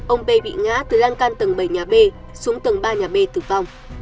ông p bị ngã từ lan can tầng bảy nhà b xuống tầng ba nhà b tử vong